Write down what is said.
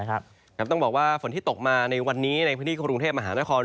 ต้องบอกว่าฝนที่ตกมาในวันนี้ในพื้นที่กรุงเทพมหานคร